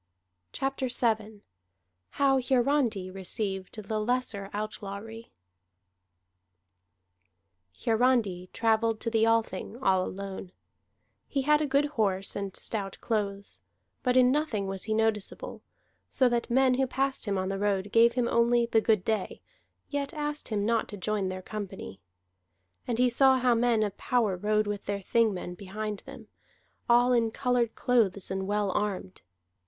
CHAPTER VII HOW HIARANDI RECEIVED THE LESSER OUTLAWRY Hiarandi travelled to the Althing all alone; he had a good horse and stout clothes, but in nothing was he noticeable, so that men who passed him on the road gave him only the good day, yet asked him not to join their company. And he saw how men of power rode with their Thingmen behind them, all in colored clothes and well armed.